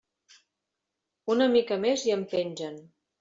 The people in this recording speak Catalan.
Una mica més i em pengen.